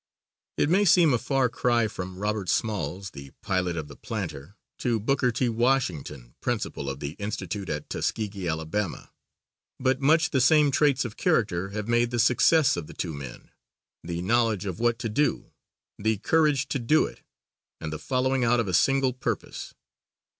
It may seem a far cry from Robert Smalls, the pilot of the Planter, to Booker T. Washington, Principal of the Institute at Tuskegee, Alabama. But much the same traits of character have made the success of the two men; the knowledge of what to do, the courage to do it, and the following out of a single purpose.